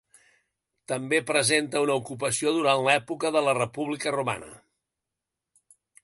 També presenta una ocupació durant l'època de la República Romana.